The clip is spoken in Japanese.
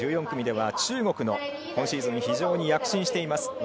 １４組では中国の今シーズン非常に躍進しています